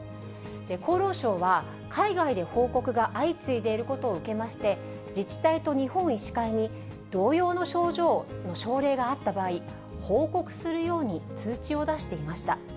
厚労省は、海外で報告が相次いでいることを受けまして、自治体と日本医師会に、同様の症状の症例があった場合、報告するように通知を出していました。